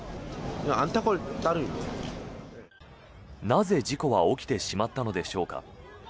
なぜ、事故は起きてしまったのでしょうか。